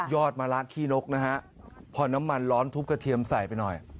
มะละขี้นกนะฮะพอน้ำมันร้อนทุบกระเทียมใส่ไปหน่อย